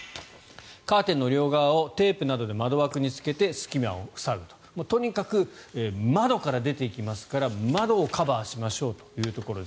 カーテンの両側をテープなどで窓枠につけてとにかく窓から出ていきますから窓をカバーしましょうというところです。